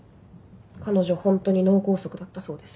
彼女ホントに脳梗塞だったそうです。